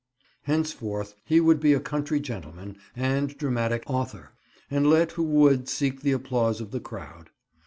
Henceforth he would be a country gentleman and dramatic author, and let who would seek the applause of the crowd.